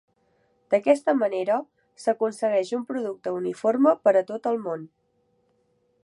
D'aquesta manera, s'aconsegueix un producte uniforme per a tot el món.